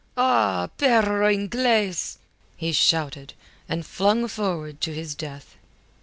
"Ah, perro ingles!" he shouted, and flung forward to his death.